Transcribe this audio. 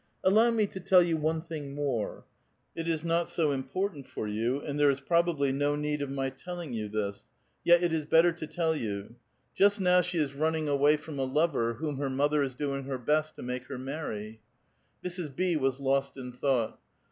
" Allow me to tell you one thing more. It is not so im portant for you, and there is probably no need of my telling A VITAL QUESTION. 107. you this. Yet it is better to tell you. Just now, she is run uing away from a lover whom her mother is doing her best to make her many." Mrs. B. was lost in thought.